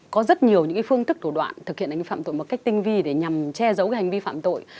có rất nhiều những phương thức thủ đoạn thực hiện hành vi phạm tội một cách tinh vi để nhằm che giấu cái hành vi phạm tội